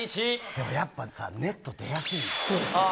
でも、やっぱりさネット出やすいね。